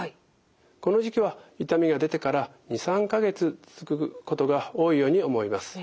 この時期は痛みが出てから２３か月続くことが多いように思います。